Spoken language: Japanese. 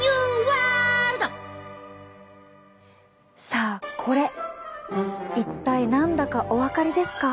さあこれ一体何だかお分かりですか？